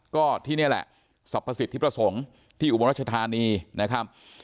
ก็ที่นี่แหละสรรพสิทธิประสงค์ที่อุบลรัชธานีนะครับ